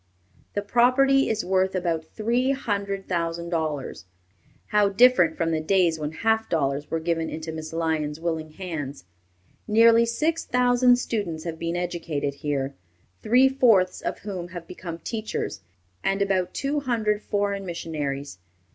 The property is worth about three hundred thousand dollars. How different from the days when half dollars were given into Miss Lyon's willing hands! Nearly six thousand students have been educated here, three fourths of whom have become teachers, and about two hundred foreign missionaries.